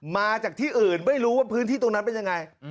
มาจากที่อื่นไม่รู้ว่าพื้นที่ตรงนั้นเป็นยังไง